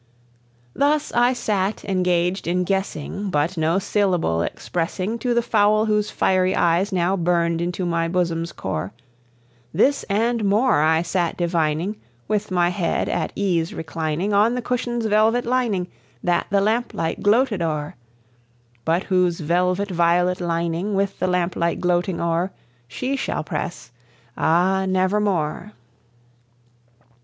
Thus I sat engaged in guessing, but no syllable expressing To the fowl whose fiery eyes now burned into my bosom's core; This and more I sat divining, with my head at ease reclining On the cushion's velvet lining, that the lamp light gloated o'er, But whose velvet violet lining, with the lamp light gloating o'er, She shall press, ah, nevermore!